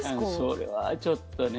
それは、ちょっとね。